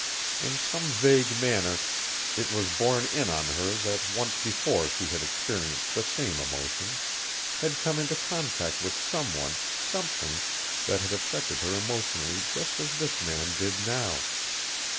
In some vague manner it was borne in on her that once before she had experienced the same emotion, had come into contact with someone, something, that had affected her emotionally just as this man did now.